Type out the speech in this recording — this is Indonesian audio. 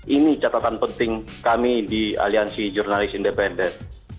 ini catatan penting kami di aliansi jurnalis independen